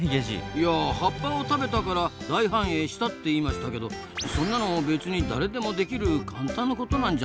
いや葉っぱを食べたから大繁栄したって言いましたけどそんなの別に誰でもできる簡単なことなんじゃないでしょうかね？